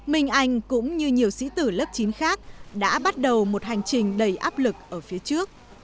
minh anh cũng như nhiều sĩ tử lớp chín khác đã bắt đầu một hành trình đầy áp lực ở phía trước